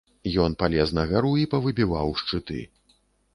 Ён палез на гару і павыбіваў шчыты.